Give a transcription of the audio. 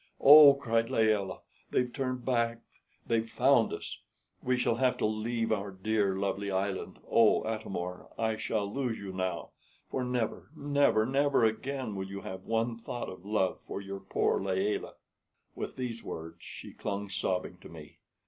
"Oh!" cried Layelah, "they've turned back they've found us! We shall have to leave our dear, lovely island. Oh, Atam or, I shall lose you now; for never, never, never again will you have one thought of love for your poor Layelah!" With these words she clung sobbing to me.